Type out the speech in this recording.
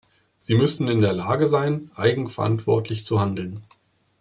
Sie müssen in der Lage sein, eigenverantwortlich zu handeln.